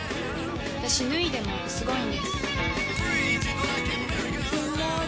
私脱いでもスゴイんです